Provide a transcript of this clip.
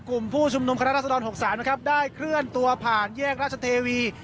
กลุ่มผู้ชุมนุมคณะรัศดร๖๓นะครับได้เคลื่อนตัวผ่านแยกราชเทวี